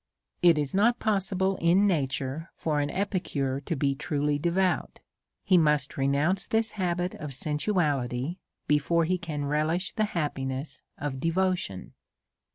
It is not possible in nature for an epicure to be tru ly devout ; he must renounce this habit of sensuality before he can relish the happiness of devotion.